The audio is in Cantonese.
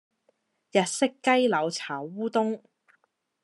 日式雞柳炒烏冬